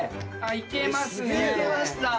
いけますね。